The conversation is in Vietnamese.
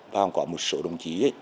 và còn có một số đồng chí